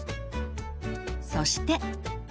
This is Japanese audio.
そして。